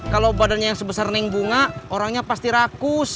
kalau badannya yang sebesar neng bunga orangnya pasti rakus